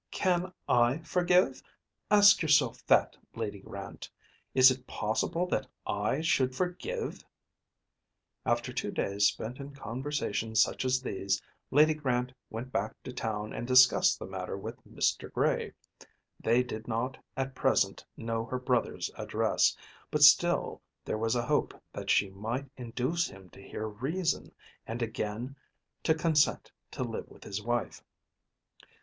Can I forgive? Ask yourself that, Lady Grant. Is it possible that I should forgive?" After two days spent in conversations such as these, Lady Grant went back to town and discussed the matter with Mr. Gray. They did not at present know her brother's address; but still there was a hope that she might induce him to hear reason and again to consent to live with his wife.